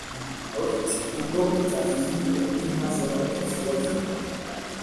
Nawe ati: Ni bwo utangiriye inka za Rudafobagana?